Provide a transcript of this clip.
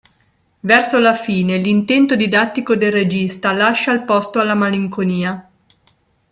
Verso la fine, l'intento didattico del regista lascia il posto alla malinconia.